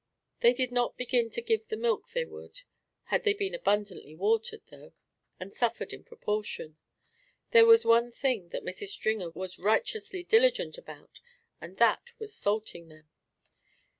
They did not begin to give the milk they would, had they been abundantly watered, though, and suffered in proportion. There was one thing that Mrs. Stringer was righteously diligent about and that was salting them.